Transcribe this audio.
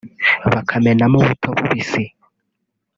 bakamenamo ubuto bubisi